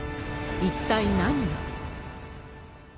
一体何が。